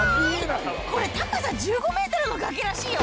これ高さ１５メートルの崖らしいよ